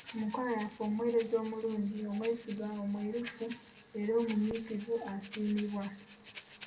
Mu nkola yaffe omuweereza omulungi, omwesigwa, omwerufu era omunyiikivu, asiimibwa.